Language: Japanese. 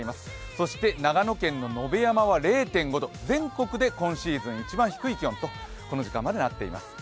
そして長野県野辺山は０．５度、全国で一番低い気温にこの時間までなっています